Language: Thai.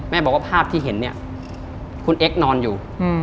แม่บอกว่าภาพที่เห็นคุณเอ็กซ์นอนอยู่